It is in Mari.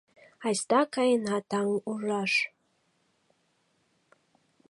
Айста каена таҥ ужаш